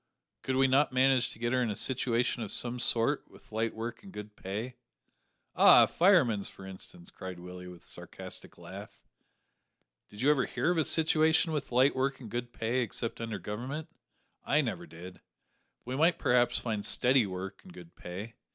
"Could we not manage to get her a situation of some sort with light work and good pay?" "Ah! a fireman's, for instance," cried Willie, with a sarcastic laugh; "did you ever hear of a situation with light work and good pay except under Government? I never did; but we might perhaps find steady work and good pay.